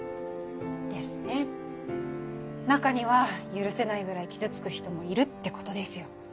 ですね中には許せないぐらい傷つく人もいるってことですよ。